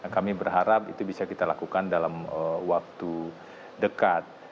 kami berharap itu bisa kita lakukan dalam waktu dekat